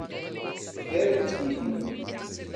David Keating